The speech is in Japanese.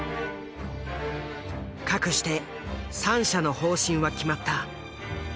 かくして３社の方針は決まった。